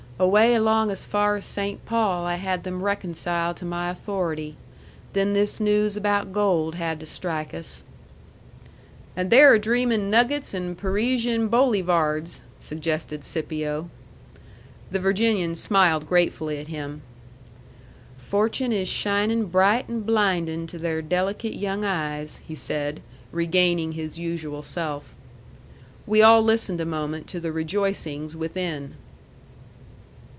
"Away along as far as Saynt Paul I had them reconciled to my authority. Then this news about gold had to strike us." "And they're a dreamin' nuggets and Parisian bowleyvards," suggested Scipio. The Virginian smiled gratefully at him. "Fortune is shinin' bright and blindin' to their delicate young eyes," he said, regaining his usual self. We all listened a moment to the rejoicings within.